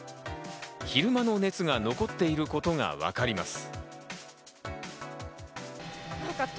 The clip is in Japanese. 昼間の熱が残っていることがわかります。